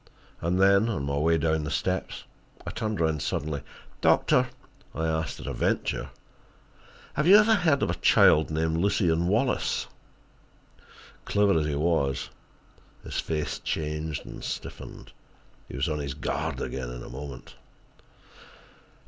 And then on my way down the steps, I turned around suddenly. "Doctor," I asked at a venture, "have you ever heard of a child named Lucien Wallace?" Clever as he was, his face changed and stiffened. He was on his guard again in a moment.